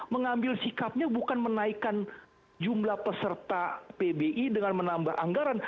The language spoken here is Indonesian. mengambil sikapnya bukan menaikkan jumlah peserta pbi dengan menambah anggaran